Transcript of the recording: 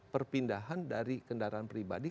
perpindahan dari kendaraan pribadi